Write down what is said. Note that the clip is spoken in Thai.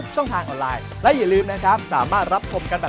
ใช่ครับ